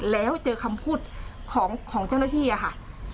แล้วเจอคำพูดของเจ้าหน้าที่อะค่ะ